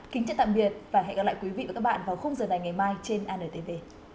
kính chào tạm biệt và hẹn gặp lại quý vị và các bạn vào khung giờ này ngày mai trên antv